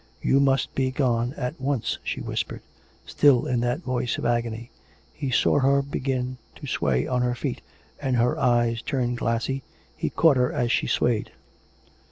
" You must begone at once," she whispered, still in that voice of agony. He saw her begin to sway on her feet and her eyes turn glassy. He caught her as she swayed.